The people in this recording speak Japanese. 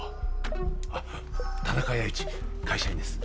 あっ田中弥一会社員です